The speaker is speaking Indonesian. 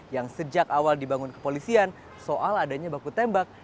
yang sejak awal dibangun kepolisian soal adanya baku tembak